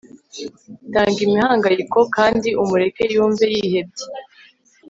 tanga imihangayiko kandi umureke yumve yihebye